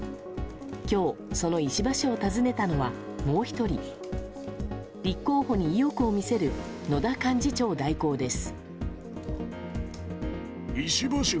今日、その石破氏を訪ねたのはもう１人立候補に意欲を見せる野田幹事長代行です。